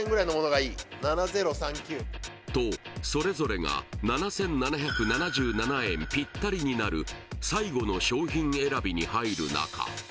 はいとそれぞれが７７７７円ピッタリになる最後の商品選びに入る中